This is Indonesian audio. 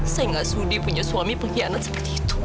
saya gak sudi punya suami pengkhianat seperti itu